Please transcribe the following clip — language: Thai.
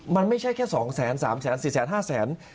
มันไม่ใช่แค่๒แสน๓แสน๔แสน๕แสน